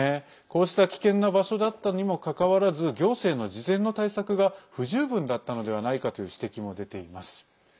こうした危険な場所だったにもかかわらず行政の事前の対策が不十分だったのではないかという指摘も出ています。